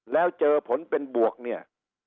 แล้วเจอผลเป็นบวกเนี่ย